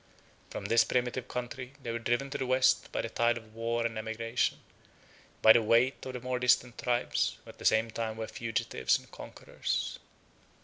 21 From this primitive country they were driven to the West by the tide of war and emigration, by the weight of the more distant tribes, who at the same time were fugitives and conquerors.